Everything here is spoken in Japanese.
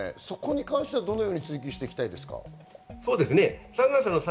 そこに関してはどのように追求していきたいですか？